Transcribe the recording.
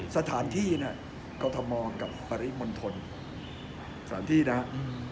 สถานที่กระทะมองกับปริมทนสถานที่นะฮะ